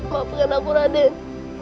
maafkan aku raden